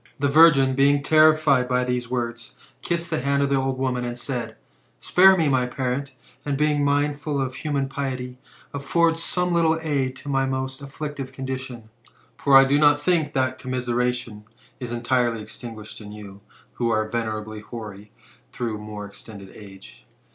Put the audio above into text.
The virgin being terrified by these words, kissed the hand of the old woman, and said, " Spare mie, my parent, and, being mindful of human piety, afford some little aid to my most afflictive condition. For I do not think that commiseration is entirely extinguished in you, who are venerably hoary through more extended age.